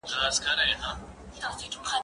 زه بايد ليک ولولم،